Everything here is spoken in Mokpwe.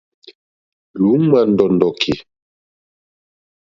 Lì ujmà ndàndòki.